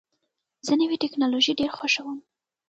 زه نوې ټکنالوژۍ ډېر خوښوم.